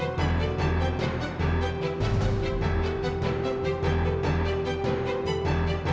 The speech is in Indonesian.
gak tahu atau apa kabarnya apanya